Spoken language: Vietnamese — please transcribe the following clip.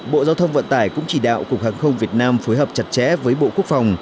bộ giao thông vận tải cũng chỉ đạo cục hàng không việt nam phối hợp chặt chẽ với bộ quốc phòng